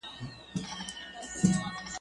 خبري ښې کوي، لکۍ ئې کږې کوي.